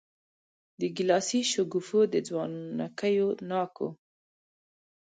د ګیلاسي شګوفو د ځوانکیو ناکو